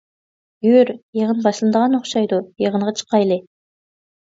-يۈر، يىغىن باشلىنىدىغان ئوخشايدۇ، يىغىنغا چىقايلى.